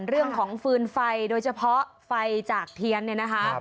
เรื่องของฟืนไฟโดยเฉพาะไฟจากเทียนเนี่ยนะคะ